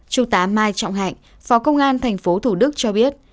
trung tá mai trọng hạnh phó công an tp thủ đức cho biết